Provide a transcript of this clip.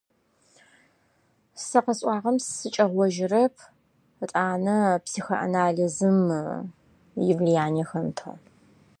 Я могу это утверждать, считая единственным исключением влияние психоанализа.